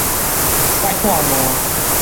使破爛